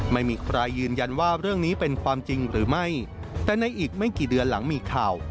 ไม่มีใครยืนยันว่าเรื่องนี้เป็นความจริงหรือไม่แต่ในอีกไม่กี่เดือนหลังมีข่าว